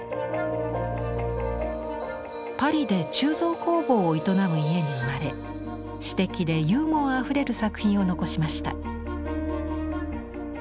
パリで鋳造工房を営む家に生まれ詩的でユーモアあふれる作品を残しました。